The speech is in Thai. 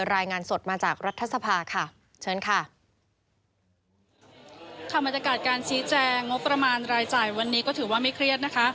รายงานสดมาจากรัฐสภาค่ะเชิญค่ะค่ะบรรยากาศการชี้แจงงบประมาณรายจ่ายวันนี้ก็ถือว่าไม่เครียดนะคะ